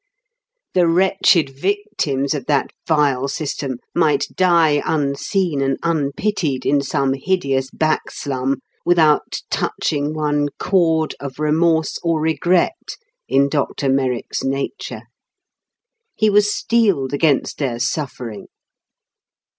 The wretched victims of that vile system might die unseen and unpitied in some hideous back slum, without touching one chord of remorse or regret in Dr Merrick's nature. He was steeled against their suffering.